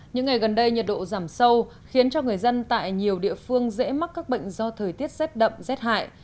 những ngày gần đây nhiệt độ giảm sâu khiến cho người dân tại nhiều địa phương dễ mắc các bệnh do thời tiết rét đậm rét hại